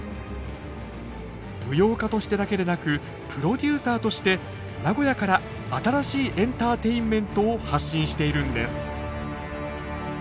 舞踊家としてだけでなくプロデューサーとして名古屋から新しいエンターテインメントを発信しているんです。